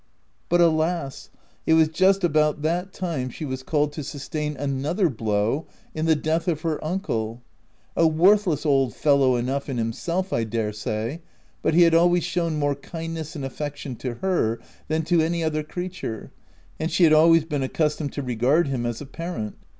But alas ! it was just about that time she OF WILDFELL HALL. 263 was called to sustain another blow in the death of her uncle — a worthless old fellow enough, in himself, I dare say, but he had always shown more kindness and affection to her than to any other creature, and she had always been ac customed to regard him as a parent.